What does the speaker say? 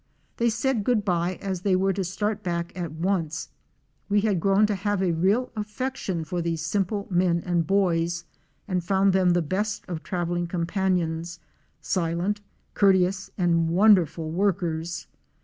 They said good by as they were to start back at once. We had grown to have a real affection for these simple men and boys, and found them Fic. 100. THE ROAD TO SUDDIE. the best of travelling companions, silent, courteous and wonderful workers.